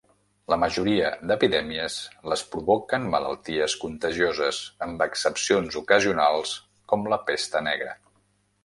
La majoria d'epidèmies les provoquen malalties contagioses, amb excepcions ocasionals com la pesta negra.